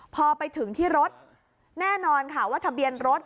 พอไปถึงที่รถแน่นอนค่ะว่าทะเบียนรถ